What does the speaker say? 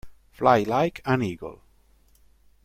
Fly Like an Eagle